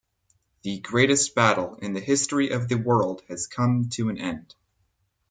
The greatest battle in the history of the world has come to an end.